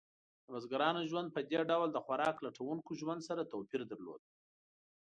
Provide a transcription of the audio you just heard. د بزګرانو ژوند په دې ډول د خوراک لټونکو ژوند سره توپیر درلود.